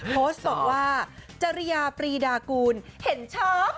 โพสต์บอกว่าจริยาปรีดากูลเห็นชอบ